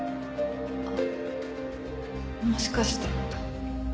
あっもしかして。